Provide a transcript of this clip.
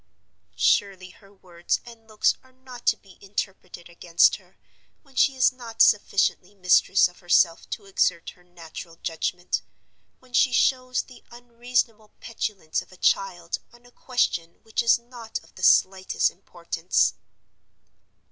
Surely her words and looks are not to be interpreted against her, when she is not sufficiently mistress of herself to exert her natural judgment—when she shows the unreasonable petulance of a child on a question which is not of the slightest importance.